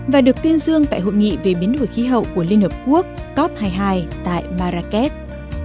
và được tuyên dương tại hội nghị về biến đổi khí hậu của liên hợp quốc cop hai mươi hai tại marrakes